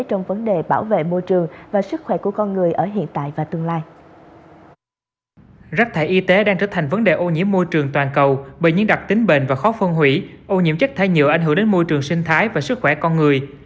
rác thải y tế đang trở thành vấn đề ô nhiễm môi trường toàn cầu bởi những đặc tính bền và khó phân hủy ô nhiễm chất thải nhựa ảnh hưởng đến môi trường sinh thái và sức khỏe con người